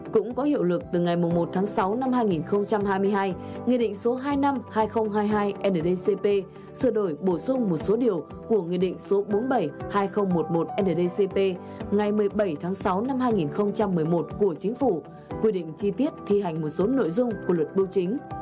cũng có hiệu lực từ ngày một tháng sáu năm hai nghìn hai mươi hai nghị định số hai năm hai nghìn hai mươi hai ndcp sửa đổi bổ sung một số điều của nghị định số bốn mươi bảy hai nghìn một mươi một ndcp ngày một mươi bảy tháng sáu năm hai nghìn một mươi một của chính phủ quy định chi tiết thi hành một số nội dung của luật bưu chính